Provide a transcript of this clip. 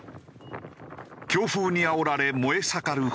強風にあおられ燃え盛る炎。